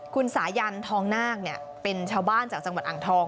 คุณสายันทองนาคเป็นชาวบ้านจากจังหวัดอ่างทอง